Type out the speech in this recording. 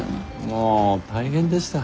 もう大変でした。